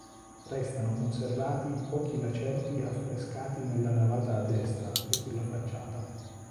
Restano conservati pochi lacerti affrescati nella navata a destra e sulla facciata.